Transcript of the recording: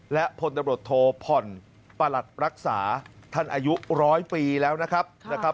และพลตบรดโทพลประหลักรักษาท่านอายุ๑๐๐ปีแล้วนะครับ